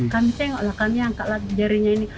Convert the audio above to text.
kami tengoklah kami angkatlah jarinya ini